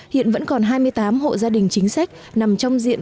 hiện vẫn còn hai mươi tám hộ gia đình chính sách nằm trong diện